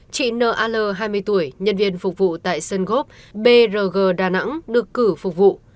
chị n a l hai mươi tuổi nhân viên phục vụ tại sơn góp brg đà nẵng được cử phục vụ